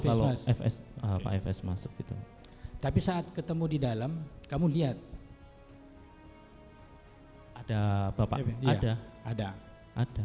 kalau fs pak fs masuk gitu tapi saat ketemu di dalam kamu lihat ada bapaknya ada ada